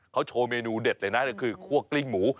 เขาโชว์เมนูเด็ดเลยนะคือคั่วกลิ้งหมู